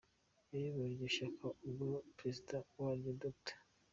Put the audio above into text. Yayoboye iryo shyaka ubwo Perezida waryo Dr.